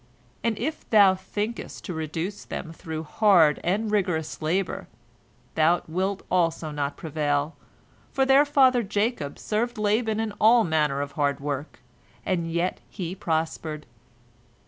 And if thou thinkest to reduce them through hard and rigorous labor, thou wilt also not prevail, for their father Jacob served Laban in all manner of hard work, and yet he prospered.